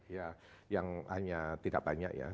ya yang hanya tidak banyak ya